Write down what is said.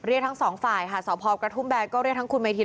เรียกทั้งสองฝ่ายศาติพอพกระทุ้มแบสก็เรียกทั้งคุณเมธีก์